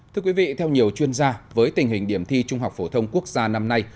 thưa quý vị theo nhiều chuyên gia với tình hình điểm thi trung học phổ thông quốc gia năm nay